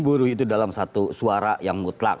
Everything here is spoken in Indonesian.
buruh itu dalam satu suara yang mutlak